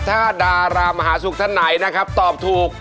ถ้าดารามหาศุกร์ท่านไหนนะครับตอบถูก